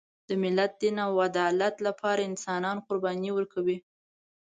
د ملت، دین او عدالت لپاره انسانان قرباني ورکوي.